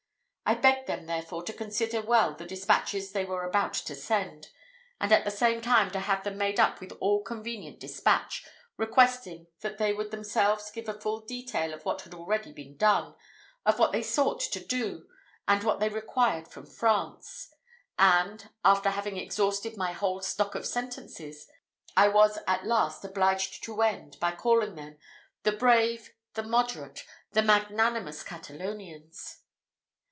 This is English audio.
I begged them, therefore, to consider well the despatches they were about to send, and at the same time to have them made up with all convenient despatch; requesting that they would themselves give a full detail of what had already been done, of what they sought to do, and what they required from France; and after having exhausted my whole stock of sentences, I was at last obliged to end, by calling them "the brave, the moderate, the magnanimous Catalonians!"